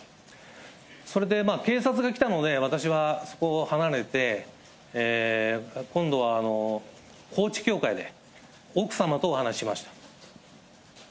それで警察が来たので、私はそこを離れて、今度は高知教会で奥様とお話しました。